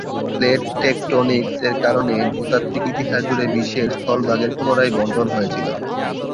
Plate টেকটোনিক্স-এর কারণে, ভূতাত্ত্বিক ইতিহাস জুড়ে বিশ্বের স্থলভাগের পুনরায় বণ্টন হয়েছিল।